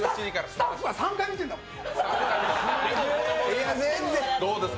スタッフは３回見てるんだもん。